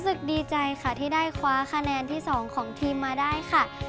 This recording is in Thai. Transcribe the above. ดีใจค่ะที่ได้คว้าคะแนนที่๒ของทีมมาได้ค่ะ